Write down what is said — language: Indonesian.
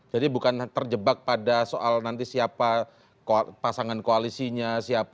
jadi bukan terjebak pada soal nanti siapa pasangan koalisinya